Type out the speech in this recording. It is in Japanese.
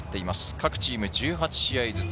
各チーム１８試合ずつ。